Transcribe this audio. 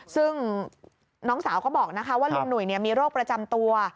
ซึ่งน้องสาวก็บอกนะคะว่าลุงหนุ่ยมีโรคประจำตัว